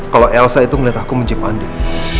kalo elsa itu ngeliat aku mencium andin